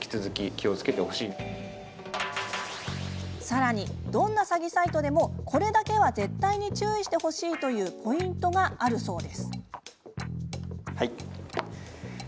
さらに、どんな詐欺サイトでもこれだけは絶対に注意してほしいというポイントがあるそう。